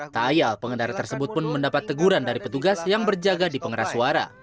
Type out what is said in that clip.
tak ayal pengendara tersebut pun mendapat teguran dari petugas yang berjaga di pengeras suara